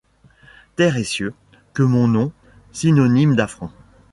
Terre et cieux ! que mon nom, synonyme d'affront